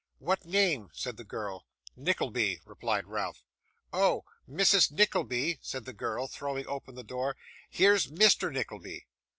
'What name?' said the girl. 'Nickleby,' replied Ralph. 'Oh! Mrs. Nickleby,' said the girl, throwing open the door, 'here's Mr Nickleby.